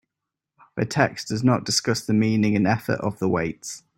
The text does not discuss the meaning and effect of the weights.